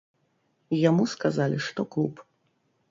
Яму сказалі, што клуб.